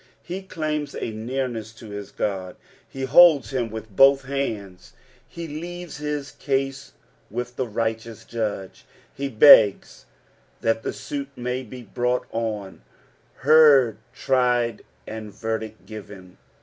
Be claims a neamesa to hia God, he holds him with both hands ; he leares his cuse with the righteous Jud^. He begs that the suit may bu brought on, heard, tried, and verdict given.